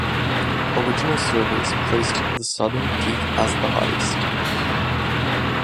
Original surveys placed the southern peak as the highest.